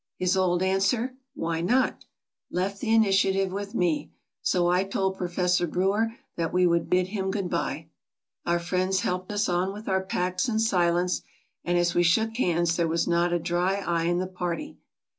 His old answer, '' Why not ?'' left the initiative with me ; so I told Professor Brewer that we would bid him good bye. Our friends helped us on with our packs in silence, and as we shook hands there was not a dry eye in the party.